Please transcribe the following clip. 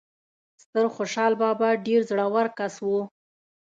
ستر خوشال بابا ډیر زړه ور کس وو